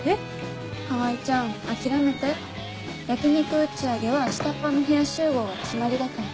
川合ちゃん諦めて焼き肉打ち上げは下っ端の部屋集合が決まりだから。